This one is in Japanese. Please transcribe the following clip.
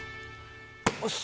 よし！